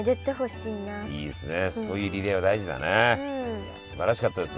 いやすばらしかったです。